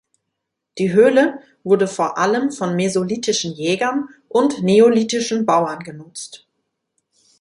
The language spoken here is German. Die Höhle wurde vor allem von mesolithischen Jägern und neolithischen Bauern genutzt.